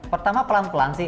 pertama pelan pelan sih